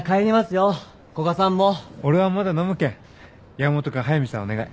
山本君速見さんお願い。